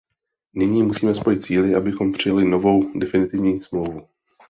Nyní musíme spojit síly, abychom přijali novou, definitivní smlouvu.